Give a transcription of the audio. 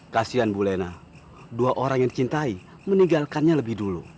kasian bulena dua orang yang dicintai meninggalkannya lebih dulu